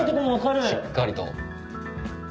しっかりと。